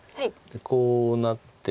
こうなって。